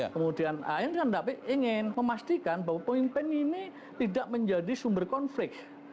kemudian akhirnya ingin memastikan bahwa pemimpin ini tidak menjadi sumber konflik